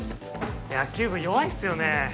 野球部弱いっすよね